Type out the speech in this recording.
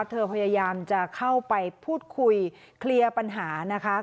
พยายามจะเข้าไปพูดคุยเคลียร์ปัญหานะคะ